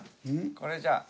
これじゃあ。